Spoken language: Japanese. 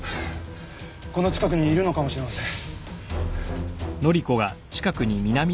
この近くにいるのかもしれません。